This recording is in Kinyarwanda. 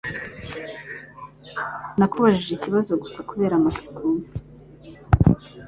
Nakubajije ikibazo gusa kubera amatsiko.